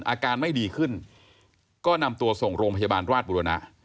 อาการไม่ดีขึ้นก็นำตัวส่งโรงพยาบาลราชบุรณะ